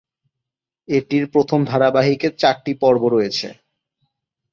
এটির প্রথম ধারাবাহিকে চারটি পর্ব রয়েছে।